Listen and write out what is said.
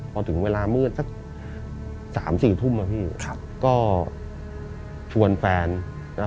พอถึงเวลามืดสักสามสี่ทุ่มอ่ะพี่ครับก็ชวนแฟนแล้ว